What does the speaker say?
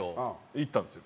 行ったんですよ。